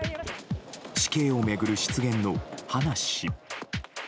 死刑を巡る失言の葉梨氏。